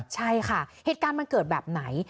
ใช่ค่ะเหตุการณ์มันเกิดแบบไหน